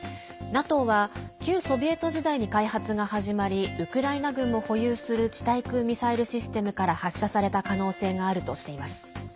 ＮＡＴＯは、旧ソビエト時代に開発が始まりウクライナ軍も保有する地対空ミサイルシステムから発射された可能性があるとしています。